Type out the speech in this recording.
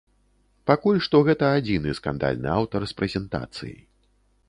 Пакуль што гэта адзіны скандальны аўтар з прэзентацыі.